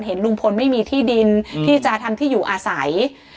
เห็นลุงพลไม่มีที่ดินที่จะทำที่อยู่อาศัย